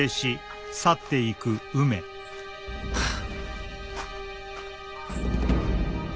はあ。